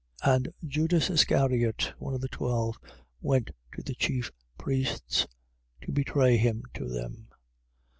14:10. And Judas Iscariot, one of the twelve, went to the chief priests, to betray him to them.